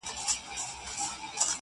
څنګه د بورا د سینې اور وینو!